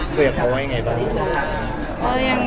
คุยกับเขาว่ายังไงบ้าง